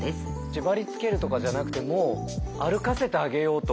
縛りつけるとかじゃなくてもう歩かせてあげようと。